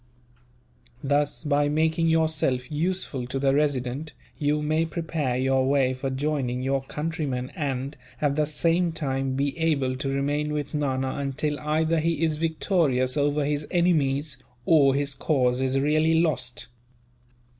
Thus, by making yourself useful to the Resident, you may prepare your way for joining your countrymen and, at the same time, be able to remain with Nana until either he is victorious over his enemies, or his cause is really lost."